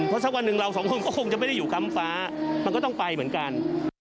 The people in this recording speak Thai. เพราะสักวันหนึ่งเราสองคนก็คงจะไม่ได้อยู่กำฟ้ามันก็ต้องไปเหมือนกัน